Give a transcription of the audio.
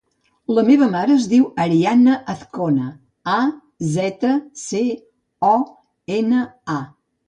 La meva mare es diu Arianna Azcona: a, zeta, ce, o, ena, a.